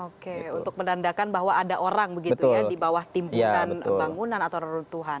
oke untuk menandakan bahwa ada orang begitu ya di bawah timbunan bangunan atau reruntuhan